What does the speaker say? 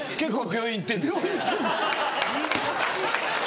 病院行ってんねん。